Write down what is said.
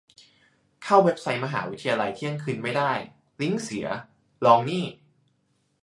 เข้าเว็บไซต์มหาวิทยาลัยเที่ยงคืนไม่ได้ ? ลิงก์เสีย ? ลองนี่